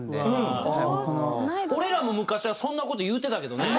俺らも昔はそんな事言うてたけどね。